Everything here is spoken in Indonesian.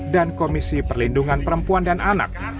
dan komisi perlindungan perempuan dan anak